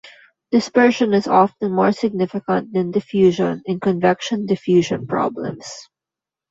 Dispersion is often more significant than diffusion in convection-diffusion problems.